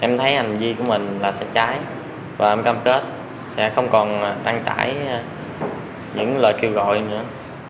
em thấy hành vi của mình là sẽ trái và em cam kết sẽ không còn đăng tải những lời kêu gọi nữa